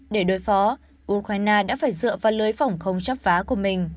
để đối phó ukraine đã phải dựa vào lưới phòng không chấp phá của mình